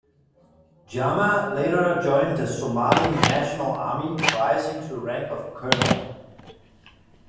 Jama later joined the Somali National Army, rising to the rank of Colonel.